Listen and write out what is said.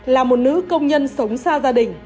là một nữ công nhân sống xa ra đời